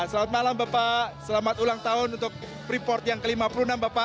selamat malam bapak selamat ulang tahun untuk freeport yang ke lima puluh enam bapak